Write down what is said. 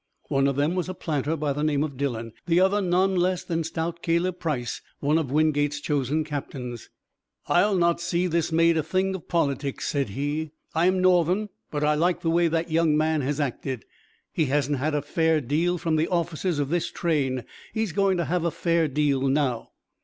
One of them was a planter by name of Dillon, the other none less than stout Caleb Price, one of Wingate's chosen captains. "I'll not see this made a thing of politics," said he. "I'm Northern, but I like the way that young man has acted. He hasn't had a fair deal from the officers of this train. He's going to have a fair deal now."